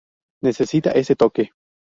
Necesita ese toque".